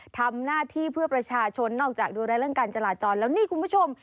ทำหน้าที่เพื่อประชาชนนอกจากดูแลเรื่องการจราจรแล้วนี่คุณผู้ชม